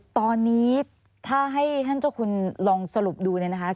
ตอนนี้ถ้าให้ท่านเจ้าคุณลองสรุปดูเนี่ยนะคะ